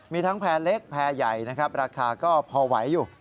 มีทั้งแพ้เล็กแพ้ใหญ่ราคาก็พอไหวอยู่